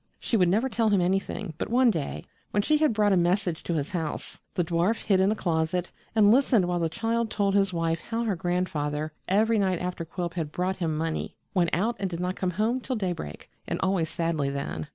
She would never tell him anything, but one day, when she had brought a message to his house, the dwarf hid in a closet and listened while the child told his wife how her grandfather, every night after Quilp had brought him money, went out and did not come home till daybreak, and always sadly then.